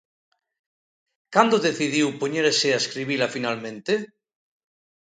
Cando decidiu poñerse a escribila finalmente?